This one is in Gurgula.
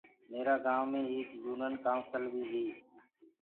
ميرآ گائونٚ مي ايڪ يونين ڪائونسل بي هي۔